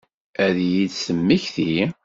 Ad iyi-d-temmekti?